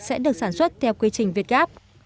sẽ được sản xuất theo quy trình việt gáp